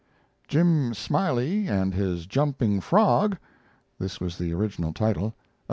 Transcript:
"Jim Smiley and His Jumping Frog" [This was the original title.